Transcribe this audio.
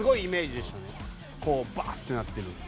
こうブワッてなってる。